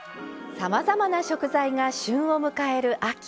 さまざまな食材が旬を迎える秋。